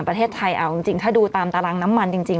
ประเทศไทยเอาจริงถ้าดูตามตารางน้ำมันจริง